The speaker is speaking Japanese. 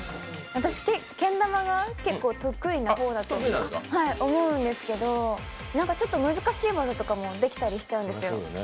私、けん玉が結構得意な方だと思うんですけど難しい技とかもできたりしちゃうんですよ。